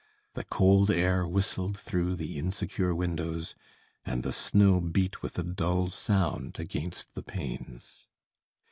The cold air whistled through the insecure windows, and the snow beat with a dull sound against the panes.